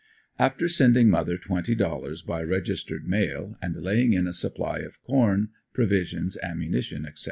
After sending mother twenty dollars by registered mail and laying in a supply of corn, provisions, ammunition, etc.